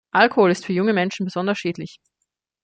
Alkohol ist für junge Menschen besonders schädlich.